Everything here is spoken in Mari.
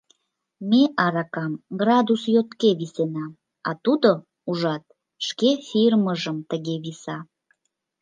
Ме аракам градус йотке висена, а тудо, ужат, шке фирмыжым тыге виса.